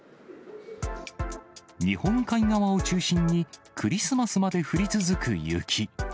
日本海側を中心に、クリスマスまで降り続く雪。